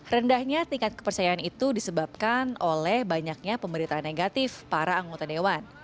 rendahnya tingkat kepercayaan itu disebabkan oleh banyaknya pemberitaan negatif para anggota dewan